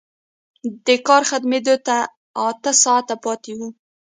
د کار ختمېدو ته اته ساعته پاتې وو